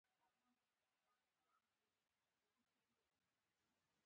ماريا د دمې غوښتنه وکړه.